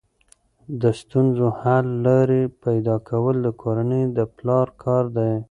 د ستونزو حل لارې پیدا کول د کورنۍ د پلار کار دی.